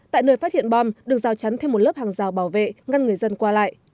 tại nơi phát hiện bom được rào chắn thêm một lớp hàng rào bảo vệ ngăn người dân qua lại